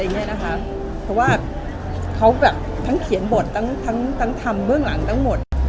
เพราะว่าเขาแบบทั้งเขียนบททั้งทำเบื้องหลังทั้งหมด